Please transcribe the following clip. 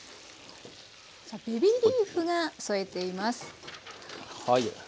ベビーリーフが添えています。